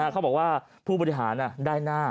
เขาบอกว่าผู้บริหารได้หน้า